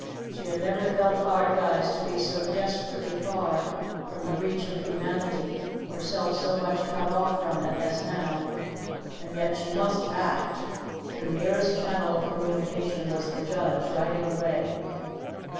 She had never felt Ardguys to be so desperately far from the reach of humanity, herself so much cut off from it, as now. And yet she must act. Her nearest channel of communication was the judge, riding away.